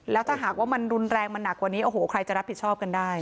แล้วถ้าหากว่ามันรุนแรงมันหนักกว่านี้โอ้โหใครจะรับผิดชอบกันได้